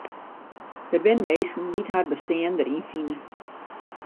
Der binne minsken dy't har bestean deryn fine.